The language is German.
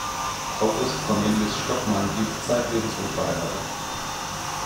August Cornelius Stockmann blieb zeitlebens unverheiratet.